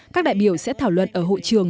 các đại biểu sẽ thảo luận ở hội trường